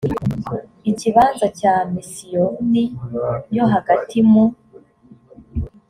ikibanza cya misiyoni yo hagati mu